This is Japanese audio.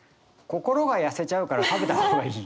「心がやせちゃうから食べたほうがいい」。